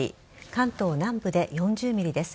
関東南部で４０ｍｍです。